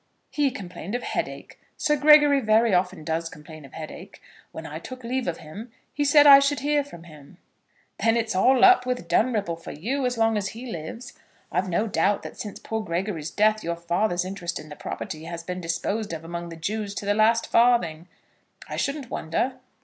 "He complained of headache. Sir Gregory very often does complain of headache. When I took leave of him, he said I should hear from him." "Then it's all up with Dunripple for you, as long as he lives. I've no doubt that since poor Gregory's death your father's interest in the property has been disposed of among the Jews to the last farthing." "I shouldn't wonder."